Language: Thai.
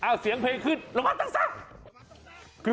เอาเสียงเพลงขึ้นละมาตากซา